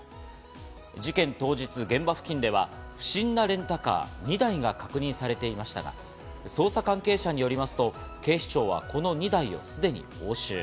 事件当日、現場付近では不審なレンタカー２台が確認されていましたが、捜査関係者によりますと、警視庁はこの２台をすでに押収。